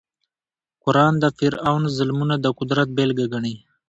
قران د فرعون ظلمونه د قدرت بېلګه ګڼي.